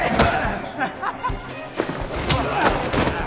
アハハハ。